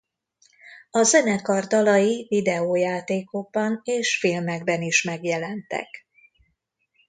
A zenekar dalai videojátékokban és filmekben is megjelentek.